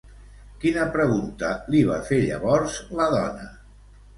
Quina pregunta li va fer llavors la dona?